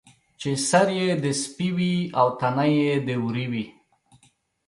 چې سر یې د سپي وي او تنه یې د وري وي.